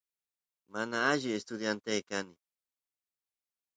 mana alli estudiante kani